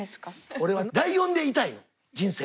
俺はライオンでいたいの人生。